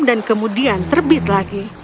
dan kemudian terbit lagi